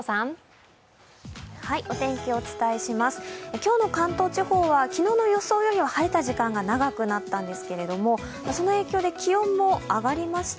今日の関東地方は昨日の予想よりは晴れた時間が長くなったんですけど、その影響で気温も上がりました。